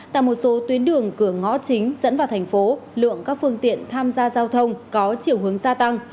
tại một số tuyến đường cửa ngõ chính dẫn vào thành phố lượng các phương tiện tham gia giao thông có chiều hướng gia tăng